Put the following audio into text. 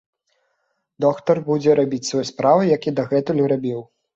Доктар будзе рабіць сваю справу, як і да гэтага рабіў.